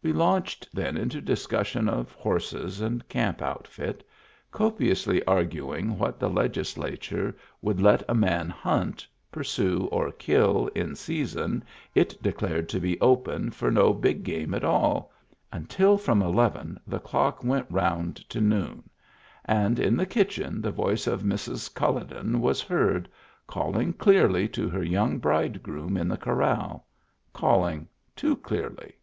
We launched then into discussion of horses and camp outfit, copiously arguing what the legislature would let a man hunt, pursue, or kill in a season it declared to be open for no big game at all, until from eleven the clock went round to noon; and in the kitchen the voice of Mrs. CuUo den was heard, calling clearly to her young bride groom in the corral — calling too clearly.